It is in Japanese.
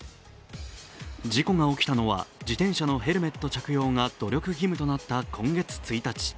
事故が起きたのは自転車のヘルメット着用が努力義務となった今月１日。